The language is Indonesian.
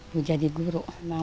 bu jadi dua